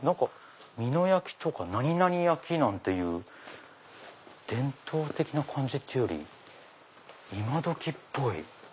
美濃焼とか何々焼なんていう伝統的な感じっていうより今どきっぽい。